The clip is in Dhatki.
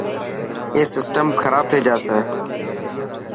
اي سسٽم خراب ٿي جاسي.